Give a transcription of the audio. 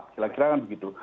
kira kira kan begitu